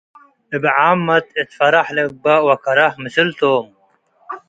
እብ ዓመት እት ፈረሕ ልግበእ ወከረህ ምስል ቶም ።